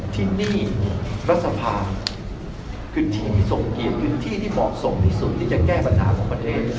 ที่นี่รัฐสภาคือที่ส่งเกียรติพื้นที่ที่เหมาะสมที่สุดที่จะแก้ปัญหาของประเทศ